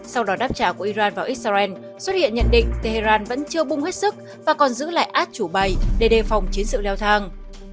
sau đó đáp trả của iran vào israel xuất hiện nhận định tehran vẫn chưa bung hết sức và còn giữ lại át chủ bay để đề phòng chiến sự leo thang